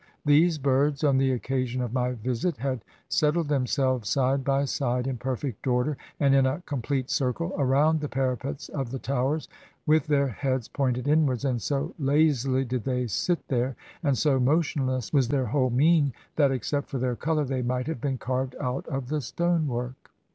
These birds, on the occasion of my visit, had set tled themselves side by side in perfect order, and in a complete circle around the parapets of the Towers, with their heads pointed inwards, and so lazily did they sit there and so motionless was their whole mien that, except for their color, they might have been carved out of the stone work.